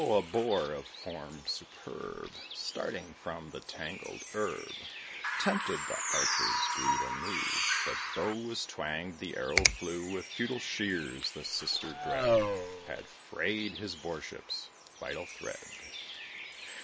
a Boar, of form superb, Starting from the tangled herb, Tempted the Archer's greed anew, The bow was twanged, the arrow flew, With futile shears the sister dread Had frayed his boarship's vital thread.